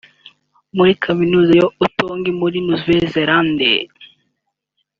muri kaminuza ya ‘Otago’ muri Nouvelle-Zélande